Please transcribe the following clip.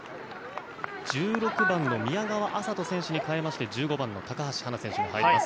１６番の宮川麻都選手に代えまして１５番の高橋はな選手が入ります。